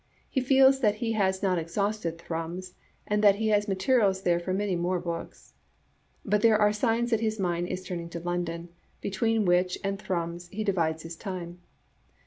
He feels that he has not exhausted Thrums, and that he has materials there for many more books. But there are signs that his mind is turning to London, between which and Thrums he divides his time.